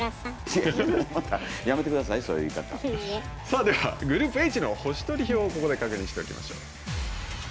やめてくださいさあではグループＨの星取表をここで確認しておきましょう。